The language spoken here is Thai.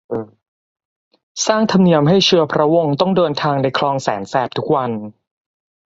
สร้างธรรมเนียมให้เชื้อพระวงศ์ต้องเดินทางในคลองแสนแสบทุกวัน